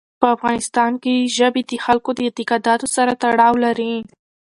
په افغانستان کې ژبې د خلکو د اعتقاداتو سره تړاو لري.